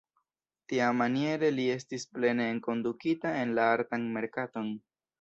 Tiamaniere li estis plene enkondukita en la artan merkaton.